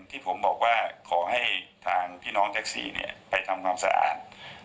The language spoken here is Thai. ที่ผมบอกว่าขอให้ทางพี่น้องแท็กซี่ไปทำความสะอาด